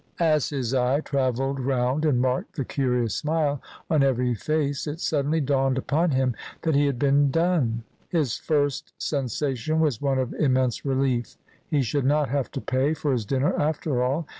As his eye travelled round and marked the curious smile on every face it suddenly dawned upon him that he had been "done." His first sensation was one of immense relief. He should not have to pay for his dinner after all!